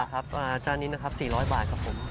ปลากับผมข้อน้ำปลาครับจานนี้นะครับ๔๐๐บาทครับผม